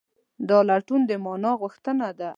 دا لټون د مانا غوښتنه ده.